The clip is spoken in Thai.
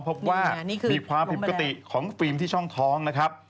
พบว่ามีความผิดปกติของฟิล์มที่ช่องท้องนะครับ